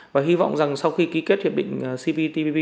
và hy vọng rằng sau khi ký kết hiệp định cptpp